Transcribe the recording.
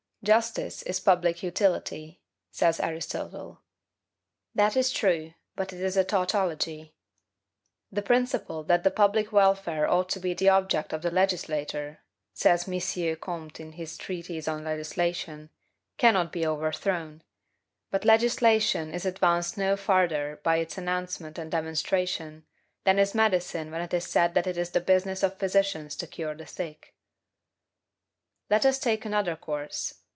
"Justice is public utility," says Aristotle. That is true, but it is a tautology. "The principle that the public welfare ought to be the object of the legislator" says M. Ch. Comte in his "Treatise on Legislation" "cannot be overthrown. But legislation is advanced no farther by its announcement and demonstration, than is medicine when it is said that it is the business of physicians to cure the sick." Let us take another course.